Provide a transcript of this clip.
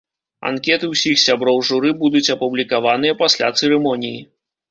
Анкеты ўсіх сяброў журы будуць апублікаваныя пасля цырымоніі.